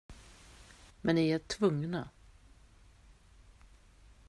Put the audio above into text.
Men ni är tvungna.